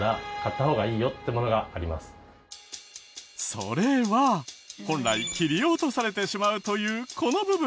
それは本来切り落とされてしまうというこの部分。